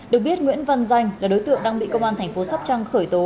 được biết nguyễn văn danh là đối tượng đang bị công an tp sắp trăng khởi tố